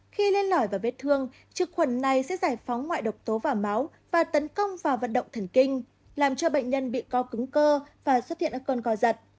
khi lên lỏi vào vết thương trực khuẩn này sẽ giải phóng ngoại độc tố và máu và tấn công vào vận động thần kinh làm cho bệnh nhân bị co cứng cơ và xuất hiện các cơn co giật